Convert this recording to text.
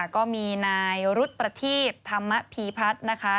ก็มีนายรุบประทีธรรมพีพัธย์